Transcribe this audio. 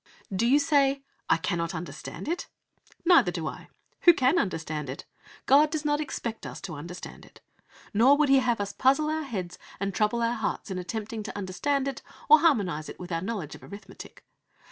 Do you say, "I cannot understand it"? Neither do I. Who can understand it? God does not expect us to understand it. Nor would He have us puzzle our heads and trouble our hearts in attempting to understand it or harmonise it with our knowledge of arithmetic.